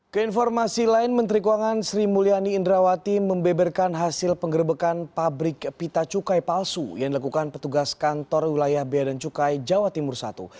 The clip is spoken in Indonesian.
keinformasi lain menteri keuangan sri mulyani indrawati membeberkan hasil penggerbekan pabrik pita cukai palsu yang dilakukan petugas kantor wilayah bea dan cukai jawa timur i